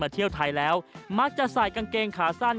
เที่ยวไทยแล้วมักจะใส่กางเกงขาสั้น